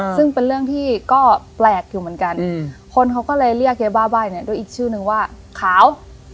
ซึ่งเป็นเรื่องที่ก็แปลกอยู่เหมือนกันคนเขาก็เลยเรียกยายบ้าใบ้เนี่ยด้วยอีกชื่อนึงว่าขาว